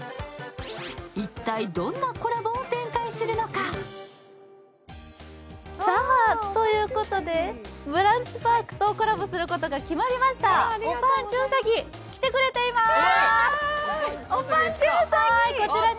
一体どんなコラボを展開するのか？ということでＢＲＵＮＣＨＰＡＲＫとコラボすることが決まりましたおぱんちゅうさぎ、来てくれています。